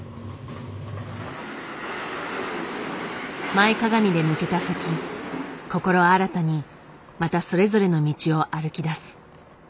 前かがみで抜けた先心新たにまたそれぞれの道を歩き出す。